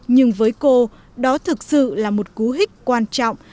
nhưng với cô đó thực sự là một cú hích quan trọng